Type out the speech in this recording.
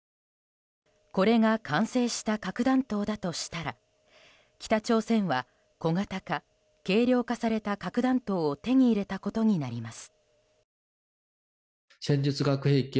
これが完成した核弾頭だとしたら北朝鮮は小型化、軽量化された核弾頭を手に入れたことになります。